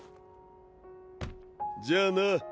じゃあな。